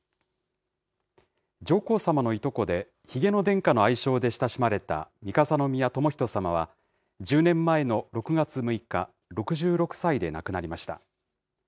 上皇さまのいとこで、ひげの殿下の愛称で親しまれた三笠宮ともひとさまは、１０年前の６月６日、６６歳で亡くなりました。